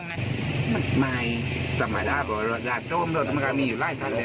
อ่ะไม่ธรรมดาบเรื่องราคารหอมด้วยบางปีอยู่ร้ายแบบนี้